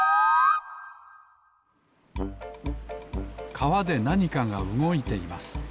かわでなにかがうごいています